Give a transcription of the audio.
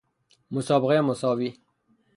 مسابقه مساوی